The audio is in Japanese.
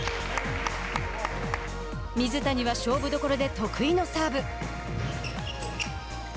水谷は勝負どころで得意のサーブ。